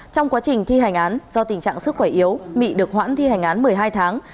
trong quá trình thi hành án do tình trạng sức khỏe yếu mị được hoãn thi hành án một mươi hai tháng